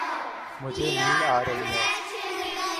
مجھے نیند آ رہی ہے